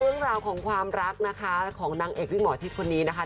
เรื่องราวของความรักนะคะของนางเอกวิ่งหมอชิดคนนี้นะคะ